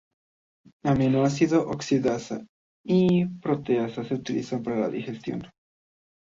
Aminoácido oxidasa y proteasa se utilizan para la digestión.